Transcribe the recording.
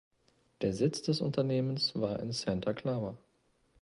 Der Sitz des Unternehmens war in Santa Clara.